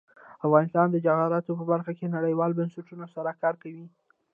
افغانستان د جواهرات په برخه کې نړیوالو بنسټونو سره کار کوي.